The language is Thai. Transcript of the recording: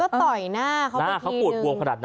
ดูต่อตรงหน้าเค้าอุดบัวขนาดนั้น